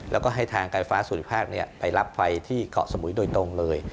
แล้วก็ให้ทางการฟ้าสุริภาคไปรับไฟที่เกาะสมุยโดยตรงเลย